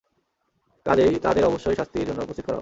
কাজেই তাদের অবশ্যই শাস্তির জন্য উপস্থিত করা হবে।